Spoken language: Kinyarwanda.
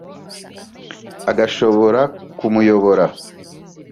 agashobora kumuyobora,